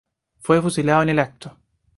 Fue fusilado en el acto.